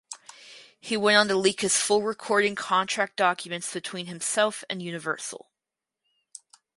He went on to leak his full recording contract documents between himself and Universal.